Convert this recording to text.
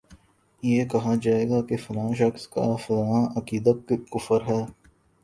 یہ کہا جائے گا کہ فلاں شخص کا فلاں عقیدہ کفر ہے